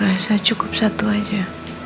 dan aku rasa cukup satu aja